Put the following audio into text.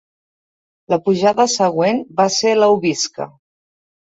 La pujada següent va ser l'Aubisca.